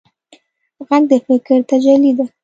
غږ د فکر تجلی ده